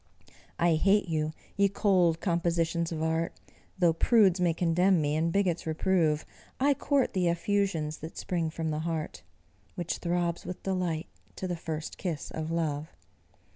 I hate you, ye cold compositions of art; Though prudes may condemn me, and bigots reprove, I court the effusions that spring from the heart Which throbs with delight to the first kiss of love.